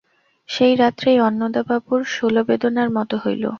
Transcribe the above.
সেই রাত্রেই অন্নদাবাবুর শূলবেদনার মতো হইল।